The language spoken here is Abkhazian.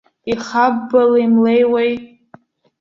Ихаббала имлеиуеи!